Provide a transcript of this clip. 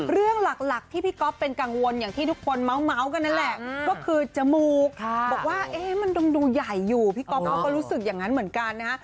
เรื่องหลักที่พี่ก๊อฟเป็นกังวลอย่างที่ทุกคนเมาส์กันนั่นแหละก็คือจมูกบอกว่ามันต้องดูใหญ่อยู่พี่ก๊อฟเขาก็รู้สึกอย่างนั้นเหมือนกันนะฮะ